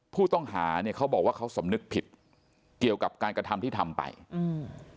ผู้ต้องหาเนี่ยเขาบอกว่าเขาสำนึกผิดเกี่ยวกับการกระทำที่ทำไปอืม